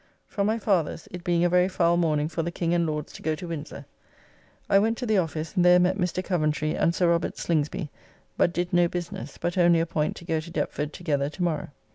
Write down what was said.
From my father's, it being a very foul morning for the King and Lords to go to Windsor, I went to the office and there met Mr. Coventry and Sir Robt. Slingsby, but did no business, but only appoint to go to Deptford together tomorrow.